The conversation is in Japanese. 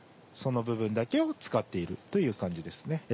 その部分だけを使っているという感じですね。